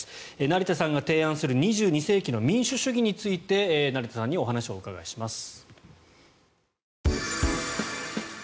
成田さんが提案する２２世紀の民主主義について成田さんにお話を伺います。